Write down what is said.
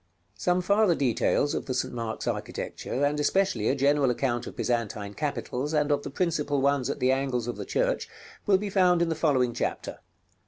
§ L. Some farther details of the St. Mark's architecture, and especially a general account of Byzantine capitals, and of the principal ones at the angles of the church, will be found in the following chapter.